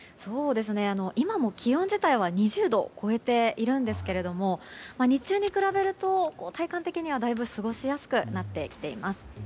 今も気温自体は２０度を超えているんですけれども日中に比べると体感的には過ごしやすくなってきています。